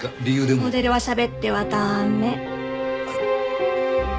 モデルはしゃべっては駄目。